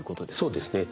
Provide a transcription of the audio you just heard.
そうですね。